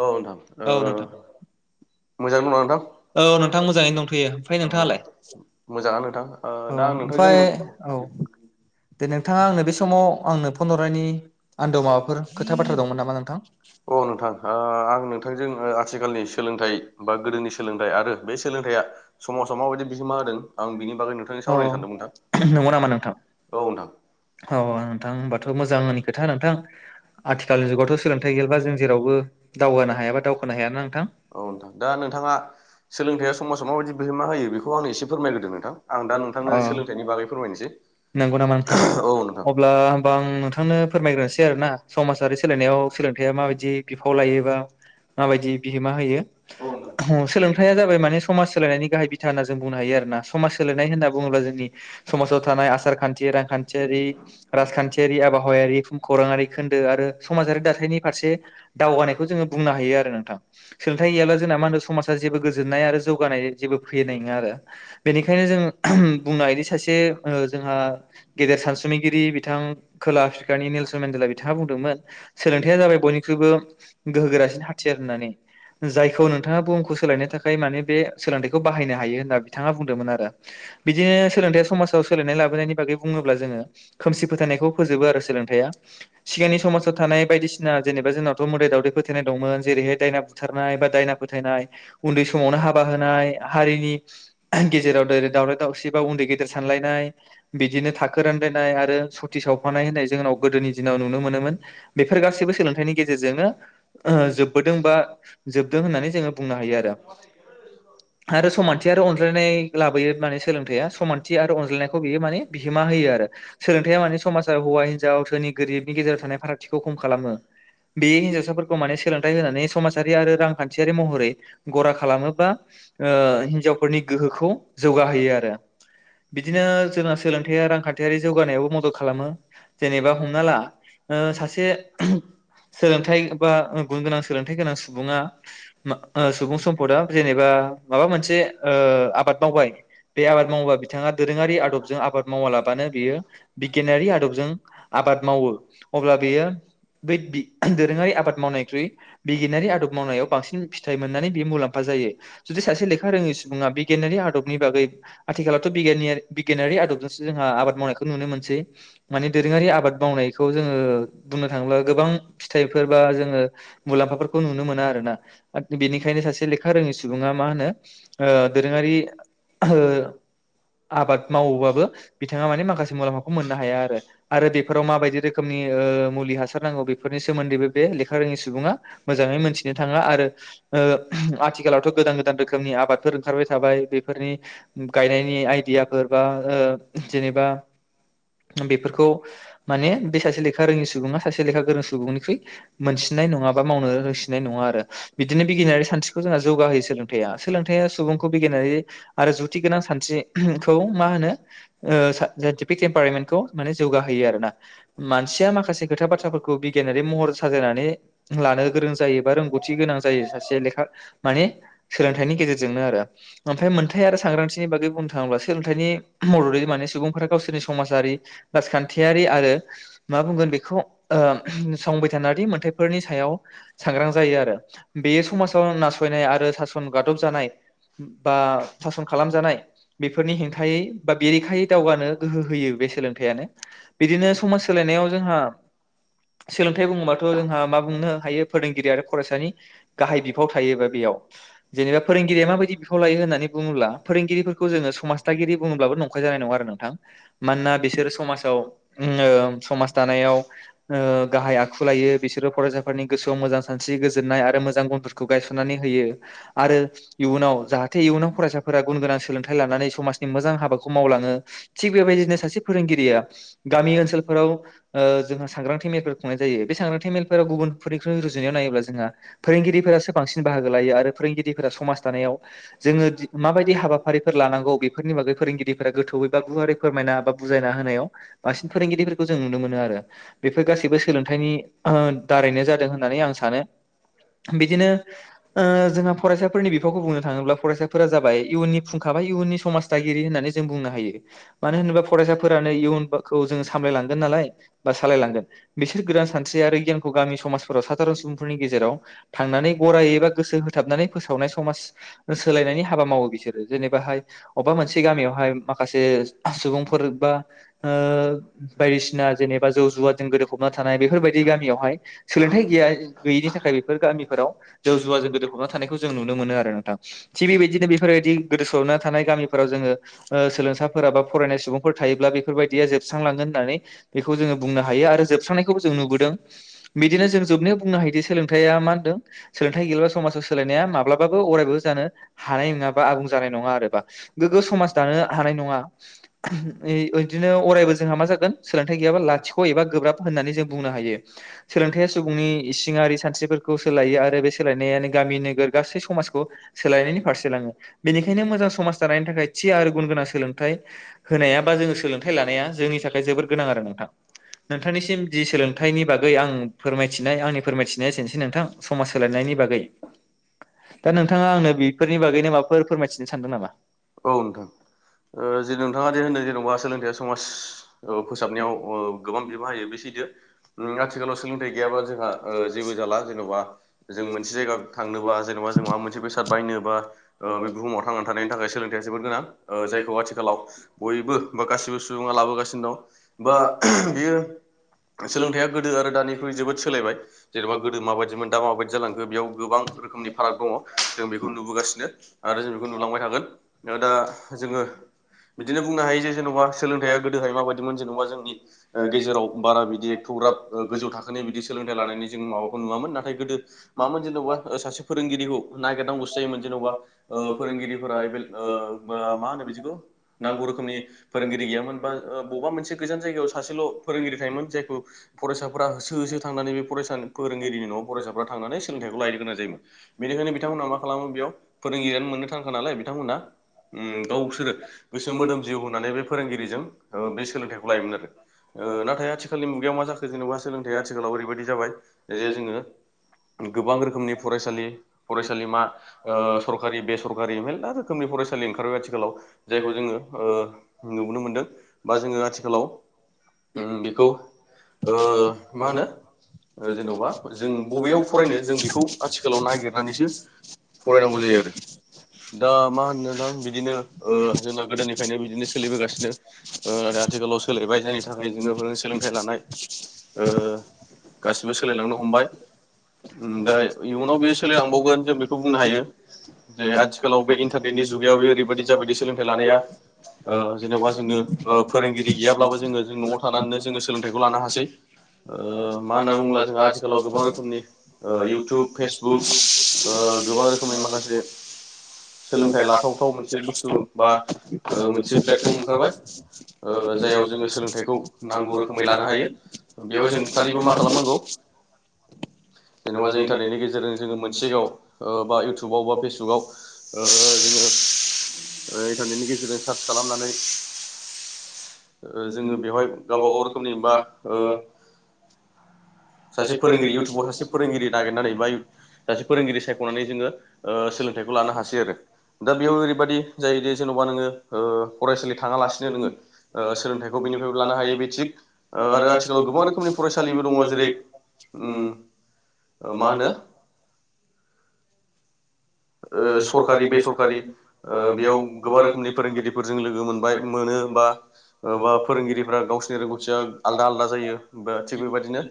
औ नोंथां ओ मोजां दं ना नोंथां औ नोंथां मोजांङैनो ओ मोजाङानो नोंथां। दां नोंथांजों दे नोंथाङा आंनो बे समाव आंनो फन हरनायनि आन्दोव माबाफोर खोथा बाथ्रा दंमोन नामा नोंथां? अ नोंथां आ आंनो। नोंथांजों आथिखालनि सोलोंथाइ बा गोदोनि सोलोंथाइ आरो बे सोलोंथाइया समाजाव माबायदि बिहोमा होदों आं बिनि बागै नोंथांजों सावरायनो सानदोंमोन नोंथां औ नोंथां। औ औ नोंथां होमबाथ' मोजांनि खोथा नोंथां। आथिखाल जुगावथ' सोलोंथाइ गैयाबा जों जेरावबो दावगानो हायाबा दावखोनो हायाना नोंथां। औ नोंथां दा नोंथाङा सोलोंथाइया समाजाव माबायदि बिहोमा होयो बेखौ आंनो एसे फोरमायग्रोदो नोंथां आं दा नोंथांनो सोलोंथायनि बागै फोरमायनोसै औ। अब्ला होमबा आं नोंथांनो फोरमायग्रोसै आरोना समाजारि सोलायनायाव सोलोंथाया माबायदि बिफाव ला लायोबा माबायदि बिहोमा होयो सोलोंथायाइआ जाबाय माने समाज सोलायनायनि गाहाय बिथा होनना जों बुंनो हायो आरो ना समाज सोलायनाय होनना बुङोब्ला जोंनि समाव थानाय आसा खान्थि रांखान्थियारि राजखान्थियारि आबहावायारि भूमखौराङारि खोन्दो आरो समाजारि दाथाय नि फारसे दावगानायखौ जोङो बुंनो हायो आरो। नोंथां सोलोंथाइ गैयाब्ला जोंना मा होनो समाजा जेबो गोजोननाय आरो जौगानाय जेबो फैनाय नङा आरो। बेनिखायनो जों बुंनो हायोदि सासे ओ जों ओ गेदेर सानसुमैगिरि बिथां खोला आफ्रिकानि नेलस मेन्डेला बिथाङा बुंदोंमोन सोलोंथाइ थाया जाबाय बयनिख्रुइबो गोहोगोरासिन हाथियार होननानै। जायखौ नोंथाङा बुहुमखौ सोलायनो थाखाय माने बे सोलोंथाइखौ बाहायनो हायो होनना बिथाङा बुंदोंमोन आरो। बिदिनो सोलोंथाया समाजाव सोलायनाय लाबोनायनि बागै बुङोब्ला जोङो खोमसि फोथायनायखौ फोजोबो आरो सोलोंथाइआ सिगांनि समाव थानाय बायदिसिना जेन'बा जोंनावथ' मोदाइ दावदाय फोथाइनाय दंमोन। जेरैहाय दायना बुथारनाय बा दायना फोथायनाय उन्दै समावनो हाबा होनाय हारिनि गेजेराव दावराव दावसि बा उन्दै गेदेर सानलायनाय बिदिनो थाखो रानलायनाय आरो सति सावफानाय होननाय जोंनाव गोदोनि दिनाव नुनो मोनोमोन बेफोर गा सिबो सोलोंथाइनि गेजेरजोंनो जोबबो दों बा जोबदों होननानै जोङो बुंनो हायो आरो। आरो समानथि आरो अनज्लायनाय लाबोयो माने सोलोंथाइआ समानथि आरो अनज्लायनायखौ बियो माने बिहोमा होयो आरो सोलोंथाया माने समाजाव हौवा हिनजाव सोरनि गोरिबनि गेजेराव थानाय फारागथिखौ खम खालामो बे हिनजावसाफोरखौ माने सोलोंथाइ होनानै समाजारि आरो रांखान्थियारि महरै गरा खालामोबा ओ हिनजावफोरनि गोहो खौ जौगाहोयो आरो बिदि नो जोंना सोलोंथाइ रांखान्थियारि जौगानायाबो मदद खालामो। जेनेबा हमना ला ओ सासे सोलोंथाइ बा गुन गोनां सोलोंथाइ गोनां सुबुंआ मा ओ सुबुं सम्पदआ जेनेबा माबा मोनसे ओ आबाद मावबाय बे आबाद मावोबा बिथाङा दो दोरोङारि आदबजों आबाद मावालाबानो बियो बिगियानारि आदबजों आबाद मावो अब्ला [unintelligible] बै बि दोरोङारि आबाद मावनाय थ्रि बिगिनारि आदब मावनायाव बांसिन फिथाइ मोननानै बेयो मुलाम्फा जायो जुदि सासे लेखा रोङै सुबुङा बिगियानारि आदबनि बागै आथिखालावथ बिगियानियारि बिगियानारि आदबजोंसो जोंहा आबाद मावनायखौ नुनो मोनसै माने दोरोङारि आबाद मावनायखौ जोङो बुंनो थाङोब्ला गोबां फिथाइफोर बा जोङो मुलाम्फाफोरखौ नुनो मोना आरोना बिनिखायनो सासे लेखा रोङै सुबुङा मा होनो ओ दोरोङारि आरो आबाद मावोबाबो बिथाङा माने माखासे मुलाम्फाखौ मोननो हाया आरो आरो बेफोराव माबायदि रोखोमनि ओ मुलि हासार नांगौ बेफोरनि सोमोन्दैबो बेे लेखा रोङि सुबुङा मोजाङै मोनथिनो थाङा आरो ओ आथिखालावथ गोदान गोदान रोखोमनि आबादफोर ओंखारबाय थाबाय बेफोरनि गायनायनि आइडिया फोर बा ओ जेनेबा बेफोरखौ माने बे सासे लेखा रोङि सुबुङा सासे लेखा गोरों सुबुंनिख्रुइ मोनसिननाय नङा बा मावनो होसिननाय नङा आरो बिदिनो बिगियारि सानस्रिखौ जोंहा जौगाहोयो सोलोंथाइया सोलोंथाइ -या सुबुंखौ बिगियारि आरो जुकथि गोनां सानस्रि खौ मा होनो ओ जोंहा [unintelligible] खौ माने जौगा होयो आरोना मानसि -या माखासे खोथा बाथ्राफोरखौ बिगियारि महर होनानै लानो गोरों जायोबा रोंगौथि गोनां जायो सासे लेखा माने सोलोंथाइनि गे -जेरजोंनो आरो ओमफ्राय मोनथाय आरो सांग्रांथिनि बागै बुंनो थाङो -ब्ला सोलोंथाइनि [unintelligible] माने सुबुंफोरा गावसोरनि समाजारि राजखान्थियारि आरो मा बुंगोन बेखौ आ संबि मोनथाइफोरनि सायाव सांग्रां जायो आरो बेयो समाजाव नासयनाय आरो सासन गाद -ब जानाय बा सासन खालामजानाय बेफोरनि हेंथायै बा बेरेखायै दावगानो गोहो होयो बे सोलोंथायाइयानो बिदिनो समाज सोलायनाय जोंहा सोलों- -थाइ बुङोबाथ जोंहा मा बुंनो हायो फोरोंगिरि आरो फरायसानि गाहाय बिफाव थायोबा बेयाव। जेनेबा फोरोंगिरिया माबायदि बिफाव लायो होननानै बुङोब्ला फोरोंगिरिफोरखौ जोङो समाजदागिरि बुङोब्लाबो नंखाय जानाय नङा आरो नोंथां मानोना बिसोर समाजाव उमनो समाज दानायाव ओ गाहाय आखु सलायो बिसोरो फरायसाफोरनि गोसोआव मोजां सानस्रि गोजोननाय आरो मोजां गुनफोरखौ गायसननानै होयो आरो इयुनाव जाहाथे इयुनाव फरायसाफोरा गुन गोनां सोलोंथाइ समाजनि मोजां हाबाखौ मावलाङो थिग बेबायदिनो सासे फोरोंगिरिया गामि ओनसोलफोराव ओ जोंहा सांग्रांथि मेलफोर खुंनाय जायो बे सांग्रांथि मेलफोराव गुबुनफारनिख्रुइ रुजुनायाव नायोब्ला जोंहा फोरोंगिरिफोरासो बांसिन बाहागो लायो आरो फोरोंगिरि फोरा समाज दानायाव जोङो माबायदि हाबाफारि फोर लानांगौ बेफोरनि बागै फोरोंगिरिफोरा गोथौै बा गुवारै फोरमायना बा बुजायना होनायाव बांसिन फोरोंगिरिफोरखौ जों नुनो मोनो आरो बेफोर गासैबो सोलोंथाइनि दारैनो जादों होननानै आं सानो। बिदिनो जोंहा ओ फरायसाफोरनि बिफावखौ बुंनो थाङोब्ला फरायसाफोरा जाबाय इयुननि फुंखा बा इयुननि समाज दागिरि होननानै जों बुंनो हायो। मानो होनोबा फरायसाफोरानो इयुन खौ जों समलायलांगोन नालाय बा सालायलांगोन बिसोर गोदान सानस्रि आरो गियानखौ गामि समाजफोराव सादारन सुबुंफोरनि गेजेराव थांनानै गरायै एबा गोसो हो -थाबनानै फोसावनाय समाज सोलायनायनि हाबा मावो बिसोर जेने -बा अबेबा मोनसे गामियावहाय माखासे सुबुंफोर बा ओ बाय - दिसिना जेनेबा जौ जुवा जों गोदो -फबना थानाय बेफोरबायदि गामियावहाय सोलोंथाइ गैया गैयिनि थाखाय बेफोर गामिफोराव जौ जुवा जों गोदो फबना थानायखौ जों नुनो मोनो आरो नोंथां थिग बेबायदिनो बेफोरबायदि गोदोसोहाबना थानाय गामिफोराव जोङो ओ सोलोंसाफोरा बा फरायनाय सुबुंफोर थायोब्ला बेफोरबायदिया जोबस्रांलांगोन होननानै बेखौ जोङो बुंनो हायो आरो जोब- -स्रांनायखौबो जों नुबोदों बिदिनो जों जोबनायाव बुंनो हायोदि सोलोंथाइया मा होनदों सोलोंथाइ गैयाबा समाजाव सोलायनाया माब्लाबाबो अरायबो जानो हानाय नङा बा आबुं जानाय नङा आरो बा गोग्गो समाज दानो हानाय नङा ऐ बिदिनो अरायबो जोंहा मा जागोन सोलोंथाइ गैयाब्ला लाथिख एबा गोब्राब होननानै जों बुंनो हायो सोलोंथायाइया सुबुंनि इसिङारि सानस्रिफोरखौ सोलायो आरो बे सोलायनायानो गा गामि नोगोर गासै समाजखौ सोलायनायनि फारसे लाङो बेनिखाय खायनो मोजां समाज दानायनि थाखाय थि आरो गुन गोनां सोलोंथाइ होनाया बा जों सोलोंथाइ लानाया जोंनि थाखाय जोबोर गोनां आरो नोंथां। [inaudible] नोंथांनिसिम जि सोलोंथाइनि बागै आं फोरमायथिनाय आंनि फोरमायथिनाया एसोनोसै नोंथां समाज सोलायनायनि बागै [unintelligible] दा नोंथाङा आंनो बेफोरनि बागैनो माबाफोर फोरमायथिनो सानदों नामा? औ। ओ जे नोंथाङा जे होनदों जेनेबा सोलोंथाइया समाज फोसाबनायाव गोबां बिबां थायो बे सैथो ओम आथिखालाव सोलोंथाइ गैयाबा जोंहा ओ जेबो जाला जेनबा जों मोनसे ज गायाल थांनोबा जेनबा जों मायबा मोनसे बेसाद बायनोबा ओ बुहुमाव थांनानै थानायनि थाखाय सोलोंथाइया जोबोद गोनां ओ जायखौ आथिखालाव बयबो बा गासैबो सुबुङा लाबोगासिनो दं बा बेयो सोलोंथाइया गोदो आरो दानिख्रुइ जोबोद सोलायबाय जेन'बा गोदो माबायदिमोन दा माबायदि जालांखो बेयाव गोबां रोखोम नि फाराग दङ जों बेखौ नुबोगासिनो आरो जों बेखौ नुलांबाय थागोन दा जोङो बिदिनो बुंनो हायो जे जेन'बा सोलोंथाइया गोदोहाय माबायदिमोन जेन'बा जोंनि ओ गेजेराव बारा बिदि एथग्राब गोजौ थाखोनि बिदि सोलोंथाइ लानायनि जों माबाखौ नुङामोन नाथाय गोदो माबामोन जेनबा ओ सासे फोरोंगिरिखौ नागिरनांगौसो जायोमोन जेन'बा ओ फोरोंगिरिफोरा एबेल ओ बा मा होनो बिदिखौ नांगौ रोखोमनि फोरोंगिरि गैयामोन बा बबेबा मोनसे गोजान जायगायाव सासेल' फोरोंगिरि था थायोमोन जायखौ फरायसाफोरा होसो होसो थांनानै बे फरायसा फोरोंगिरिनि न'आव फरायसाफ्रा थांनानै सोलोंथाइखौ लायदों। गोनां जायोमोन बेनिखायनो बिथांमोनहा मा खालामो बेयाव फोरोंगिरियानो मोननो थाङा नालाय बिथांमोना उम गावसोरो गोसो मोदोम जिउ होनानै बे फोरोंगिरिजों बे सोलोंथाइखौ लायोमोन आरो औ थिखालनि मुगायाव मा जाखो जेनबा सोलोंथाइया आथिखालाव ओरैबायदि जाबाय जे जोङो गोबां रोखोमनि फरायसालि फरायसालिमा ओ सरक खारि बे सरखारि मेरला रोखोमनि फरायसालि ओंखारबाय आथिखालाव जायखौ जोङो ओ नुनो मोनदों। बा जोङो आथिखालाव ओम बेखौ ओ मा होनो ओ जेन'बा जों बबेयाव फरायनो जों बेखौ आथिखालाव नागिरनानैसो फरायनांगौ जायो आरो [inaudible] दा मा होननो दां बिदिनो जोंना गोदोनिफ्रायनो बिदिनो सोलिबोगासिनो आरो आथिखाल गोलाव सोलायबाय जोंनि थाखाय जोङो सोलोंथाइ लानाय ओ गासैबो सोलायलांनो हमबाय। उम दा इयुनाव बे सोलायलांबावगोन जों बेखौ बुंनो हायो। जे आथिखालाव बे इन्टारनेटनि जुगायावबो ओरैबायदि जाबायदि सोलोंथाइ लानाया। ओ जेनेबा जोङो ओ फोरोंगिरि गैयाब्लाबो जोङो जों न'आव थानानैनो जोङो सोलोंथाइखौ लानो हासै। ओ मा होनना बुङोब्ला जोंहा आथिखालाव गोबां रोखोमनि ओ इउटुब फेसबुक गोबां रोखोमनि माखासे सोलोंथाइ लाथावथाव मोनसे बुस्थु बा मोनसे प्लेटफर्म ओंखारबाय ओ जायाव जोङो सोलोंथाइखौ नांगौ रोखोमै लानो हायो बेयावहाय जों खालि मा खालामनांगौ? जेनेबा जों इन्टारनेटनि गेजेरजों जोङो मोनसेबाव बा इउटुबाव बा फेसबुक [unintelligible] ओ जोङो इन्टारनेटनि गेजेरजों सार्च खालामनानै। ओ जोङो बेवहाय गावबा गाव रोखोमनि बा ओ सासे फोरोंगिरि इउटुबाव सासे फोरोंगिरि नागिरनानै बा सासे फोरोंगिरि सायख'नानै जोङो ओ सोलोंथाइ फिथाइखौ लानो हासै आरो दा बेयाव ओरैबायदि जायोदि जेन'बा नोङो ओ फरायसालि थाङालासिनो नोङो। ओ सोलोंथाइखौ बेनिफ्रायबो लानो हायो बे थिग आरो आथिखालाव गोबां रोखोमनि फरायसालिबो दङ जेरै उम मा होनो ओ सरकारि बेसरकारि ओ बेयाव गोबां रोखोमनि फोरोंगिरिफोरजों लोगो मोनबाय। मोनो बा बा फोरोंगिरिफोरा गावसिनि रोंगौथिया आलदा आलदा जायो थिग बेबायदिनो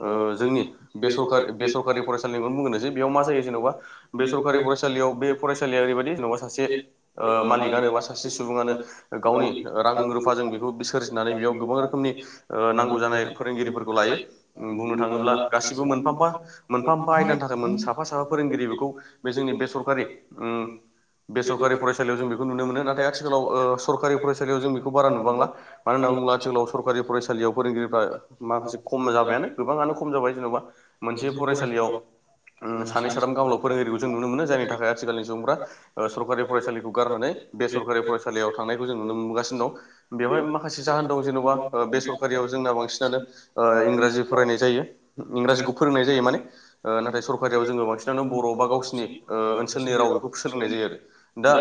ओ जोंनि बेर बेसरकारि फरायसालिनिखौनो बुंगोन जे बेयाव मा जायो जेनेबा बेसरकारि फरायसालि सालियाव बे फरायसालियाव ओरैबायदि न'आव सासे मालिकआनो बा सासे सुबुआानो गावनि रां रुफ रुफा जों बेखौ सोरजिनानै बेयाव गोबां रोखोमनि नांगौ जानाय फोरोंगिरिफोरखौ लायो बुंनो थाङोब्ला। ब्ला गासिबो मोनफा फा मोनफा मोनफा आयदानि थाखाय साफा साफा फोरोंगिरि बेखौ बे जोंनि फोरनि ओं बे सरकारि फरायसालियाव जों बेखौ नुनो मोनो नाथाय आथिखालाव ओ सरकारि फरायसालियाव जों बारा नुबांला मानो होनना बुोब्ला आथिखालाव सरकारि फरायसालियाव फोरोंगिरिफ्रा माखासे खम जाबायानो गोबाङानो खम जाबाय जेन'बा मोनसे फरायसालियाव सानै साथाम गावलाव फोरोंगिरिखौ जों नुनो मोनो जायनि थाखाय आथिखालनि सुबुंफ्रा सरखारि फरायसालिखौ गारनानै बे सरखारि फरायसालियाव थांनायखौ जों नुनो मोनगासिनो दं। बेवहाय माखासे जाहोन दं जेन'बा बे सरकारियाव जोंना बांसिनानो इंराजि फरायनाय जायो। इंराजिखौ फोरोंनाय जायो माने नाथाय सरकारियाव जोङो बांसिनानो बर' बा गावसिनि ओनसोलनि राव बेखौ सोलोंनाय जायो आरो दा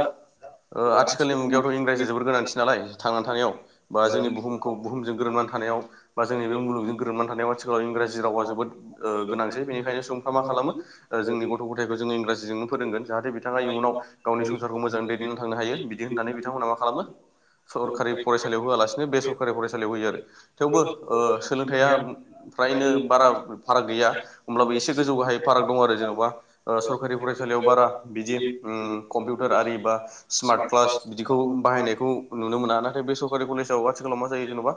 ओ आथिखालनि मुगायावथ' इंराजि जोबोर गोनांथि नालाय जुथा थानायाव बा जोंनि बुहुम बुहुमजों गोरोबनानै थानायाव बा जोंनि बे मुलुगजों गोरोबनानै थानायाव आथिखालाव इंराजी, रावा जोबो गोनांसै बेनिखायनो सुबुंफ्रा मा खालामो जोंनि गथ' गथायफ्रा जों इंराजी, फोरोंगोन जाहाथे बिथाङा इयुनाव गावनि संसारखौ मोजाङै दैदेननानै थांनो हायो बिदि होननानै बिथांमोना मा खालामो, सरखारि फरायसालियाव होआलासिनो बे सरकारि फरायसालियाव होयो आरो थेवबो सोलोंथाइया फ्राय, नो बारा फाराग गैया ओनब्लाबो एसे गोजौ गाहाय फाराग दं आरो जेन'बा सकारि फराय आसालियाव बारा बिदि ओम कम्पिउटार आरि बा स्मार्ट क्लास बिदिखौ बाहायनायखौ, नुनो मोना नाथाय बे सरकारि कलेजाव आथिखालाव मा जायो जेन'बा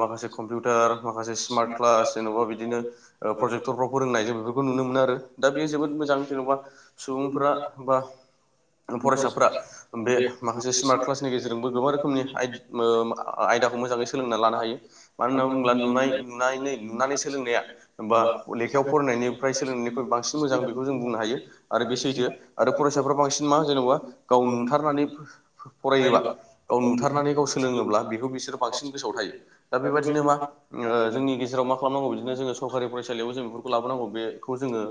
माखसेम्पिउटार माखासे स्मार्ट क्लास जेनबा बिदिनो प्रजेक्राव फोरोंनाय जों बेफोरखौ नुनो मोनो आरो दा बेयो जोबोद मोजां जेन'बा, सुबुंफोरा बा फरायसाफ्रा बे माखासे स्मार्ट क्लासनि गेजेरजों गोबां रोखोमनि आय आयदाखौ मोजाङै सोलोंनानै लानो हायो मानो होनना बुङोब्ला नुनाय नुनानै, नुनानै सोलोंनाया बा लेखायाव फरायनायनिफ्राय सोलोंनायनिख्रुइ बांसिन मोजां बेखौ जों बुंनो हायो हायो आरो फरायसाफ्रा बांसिन मा जेनेबा गाव नुथारनानै फरायोबा, गाव नुथारनानै गाव सोलोङोब्ला बेखौ बिसोरो बांसिन गोसोआव थायो दा बेबायाददिनो मा जोंनि गेजेराव मा खालामनांगौ बिदिनो जोङो सरकारि फरायसालियावबो जों बेफोरखौ लाबोनांगौ बेखौ जोङो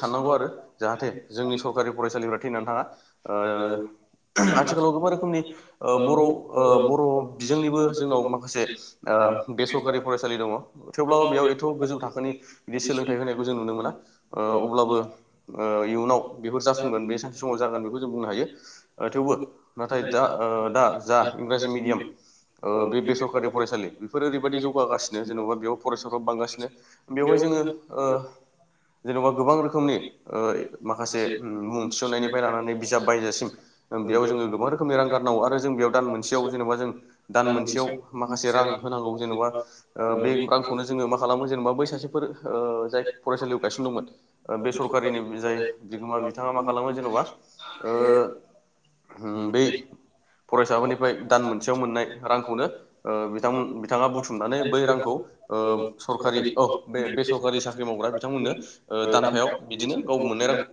साननांगौ आरो जा जोंनि सरकारि फरायसालिफ्रा थैनानै थाङा ओ आथिखालाव गोबां रोखोमनि बर' बर' बिजोंनिबो जोंनाव माखासे ओ बेसरकारि फरायसालि दङ, थेवब्लाबो बेयाव एथ' गोजौ थाखोनि बिदि सोलोंथाइ होनायखौ जों नुनो मोना अब्लाबो, ओ इयुनाव बेफोर जाफुंगोन बे सानसे समाव जागोन बेखौ जों बुंनो हायो थेवबो नाथाय दा ओ दा जा इंराजि मिडियाम ओ बेसरकारि फरायसालि बेफोरो ओरैबायदि जौगागासिनो जेन'बा बेयाव फरायसाफ्राबो बांगासिनो बेवहाय जों, जोङो ओ जेनेबा गोबां रोखोमनि ओ माखासे मुं थिनायनि लानानै बिजाब बायजासिम बेयाव जोङो गोबां रोखनि रां गारनांगौ आरो जों बेयाव दान मोनसे आव जेनोबा जों दान मोनसे आव माखासे रां होनांगौ जेनोबा जोङो मा खालामो जेनेबा बै सासे जाय फरायसालियाव गायसनदोंमोन ओ बेसकारि जाय बिगोमा बिथाङा मा खालामो जेन'बा ओ, बे [unintelligible] ओ सरकारि बेसरकारि साख्रि मावग्रा बिथांमोननो दानफायाव, बिदिनो [unintelligible] मावफुनो